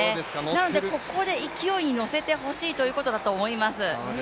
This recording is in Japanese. なのでここで勢いに乗せてほしいということだと思います。